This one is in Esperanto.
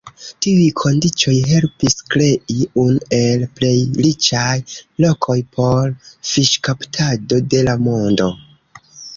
Tiuj kondiĉoj helpis krei unu el plej riĉaj lokoj por fiŝkaptado de la mondo.